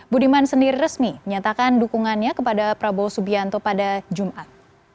budiman sendiri resmi menyatakan dukungannya kepada prabowo subianto pada jumat